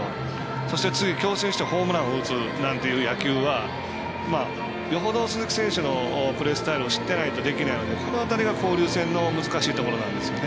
そして次、強襲してホームランを打つなんていう野球はよほど、鈴木選手のプレースタイルを知ってないとできないのでこの辺りが交流戦の難しいところなんですよね。